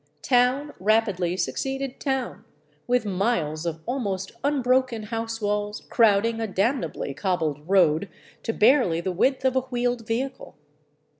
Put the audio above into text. Town rapidly suc ceeded town, with miles of almost unbroken house walls crowding a damnably cobbled road to barely the width of a wheeled vehicle.